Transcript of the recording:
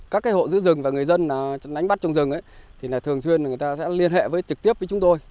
các cái hộ giữ rừng và người dân đánh bắt trong rừng ấy thì là thường xuyên người ta sẽ liên hệ trực tiếp với chúng tôi